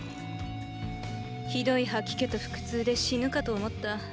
ひどい吐き気と腹痛で死ぬかと思った。